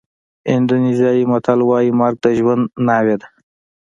اندونېزیایي متل وایي مرګ د ژوند ناوې ده.